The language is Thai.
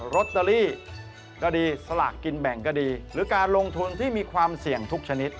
ลอตเตอรี่ก็ดีสลากกินแบ่งก็ดีหรือการลงทุนที่มีความเสี่ยงทุกชนิด